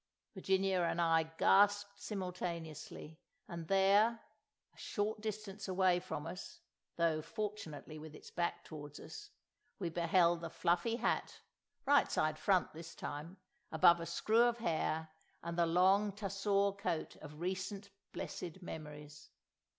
Virginia and I gasped simultaneously; and there, a short distance away from us (though, fortunately with its back towards us), we beheld the fluffy hat (rightside front this time), above a screw of hair, and the long tussore coat of recent blessed memories!